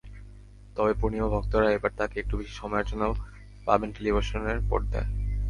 তবে পূর্ণিমাভক্তরা এবার তাঁকে একটু বেশি সময়ের জন্য পাবেন টেলিভিশনের পর্দায়।